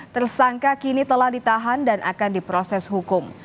tersangka kini telah ditahan dan akan diproses hukum